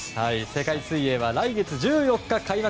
世界水泳は来月１４日開幕。